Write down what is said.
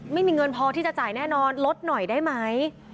ไม่มีเงินพอที่จะจ่ายแน่นอนลดหน่อยได้ไหม